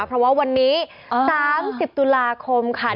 เพราะว่าวันนี้๓๐ตุลาคมค่ะ